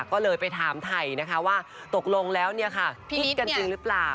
ก็เลยไปถามไทยนะคะว่าตกลงแล้วเนี่ยค่ะคิดกันจริงหรือเปล่า